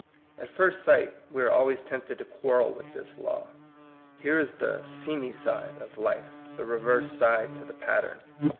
At first sight, we are always tempted to quarrel with this law. Here is the "seamy side" of life, the reverse side to the pattern.